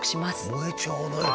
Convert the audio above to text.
燃えちゃわないのかね？